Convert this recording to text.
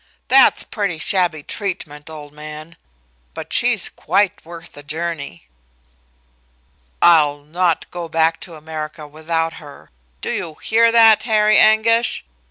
"That's pretty shabby treatment, old man. But she's quite worth the journey." "I'll not go back to America without her. Do you hear that, Harry Anguish?"